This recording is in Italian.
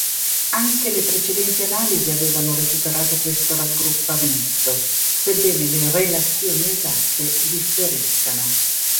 Anche le precedenti analisi avevano recuperato questo raggruppamento, sebbene le relazioni esatte differiscano.